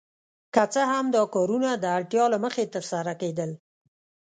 که څه هم دا کارونه د اړتیا له مخې ترسره کیدل.